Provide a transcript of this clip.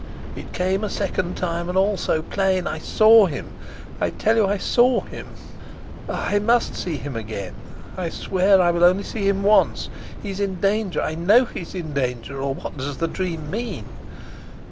It came a second time, and all so plain. I saw him; I tell you I saw him. Ah, I must see him again. I swear that I will only see him once. He's in danger I know he's in danger; or what does the dream mean?